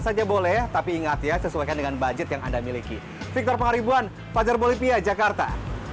saja boleh tapi ingat ya sesuaikan dengan budget yang anda miliki victor pangaribuan fajar bolivia jakarta